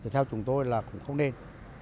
theo chúng tôi là cũng không nên